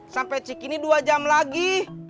sampai cek ini dua jam lagi